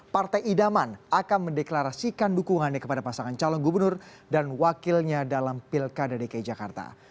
partai idaman akan mendeklarasikan dukungannya kepada pasangan calon gubernur dan wakilnya dalam pilkada dki jakarta